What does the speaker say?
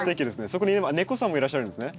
そこに今猫さんもいらっしゃるんですね。